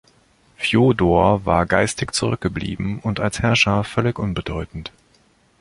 Fjodor war geistig zurückgeblieben und als Herrscher völlig unbedeutend.